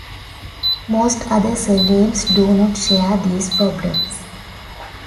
Most other surnames do not share these problems.